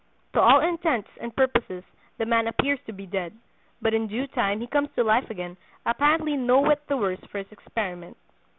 To all intents and purposes the man appears to be dead; but in due time he comes to life again, apparently no whit the worse for his experiment.